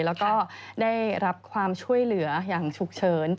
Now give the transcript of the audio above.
แล้วก็ได้รับความช่วยเหลืออย่างฉุกเฉิน